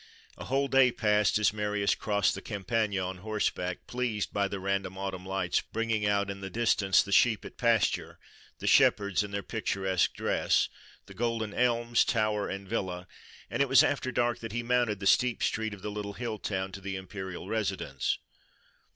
A whole day passed as Marius crossed the Campagna on horseback, pleased by the random autumn lights bringing out in the distance the sheep at pasture, the shepherds in their picturesque dress, the golden elms, tower and villa; and it was after dark that he mounted the steep street of the little hill town to the imperial residence.